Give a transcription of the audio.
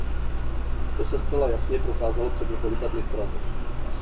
To se zcela jasně prokázalo před několika dny v Praze.